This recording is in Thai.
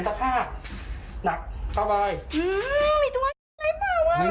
อืมมมมมีตัวอะไรเปล่า